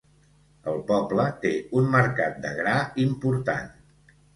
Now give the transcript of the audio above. El poble té un mercat de gra important.